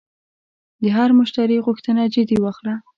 د هر مشتری غوښتنه جدي واخله.